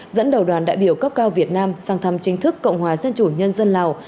dẫn đầu đoàn đại biểu cấp cao việt nam sang thăm chính thức cộng hòa dân chủ nhân dân lào